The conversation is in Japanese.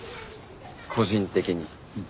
個人的に。